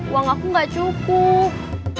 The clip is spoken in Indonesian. uang aku gak cukup